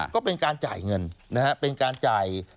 ก็เป็นการจ่ายเงินนะฮะเป็นการจ่าย